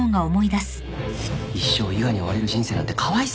一生伊賀に追われる人生なんてかわいそうだろ